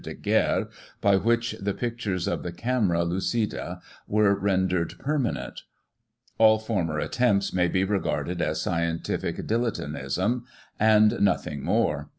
Daguerre, by which the pictures of the camera lucida were rendered permanent All former attempts may be regarded as scientific dilletanteism and noth ing more.